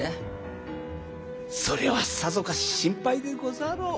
それはさぞかし心配でござろう。